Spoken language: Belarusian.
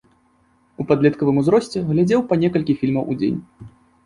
У падлеткавым узросце глядзеў па некалькі фільмаў у дзень.